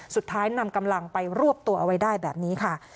นำกำลังไปรวบตัวเอาไว้ได้แบบนี้ค่ะ